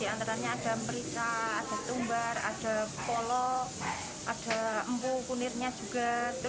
di antaranya ada merica ada tumbar ada polok ada empuk kunirnya juga